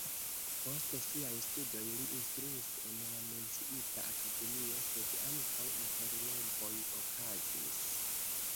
Post siaj studoj li instruis en la menciita akademio, sed ankaŭ interrompoj okazis.